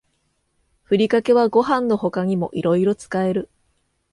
ふりかけはご飯の他にもいろいろ使える